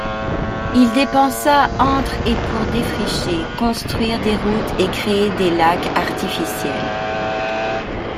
Il dépensa entre et pour défricher, construire des routes et créer des lacs artificiels.